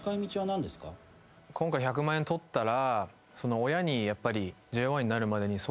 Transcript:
今回１００万円取ったら。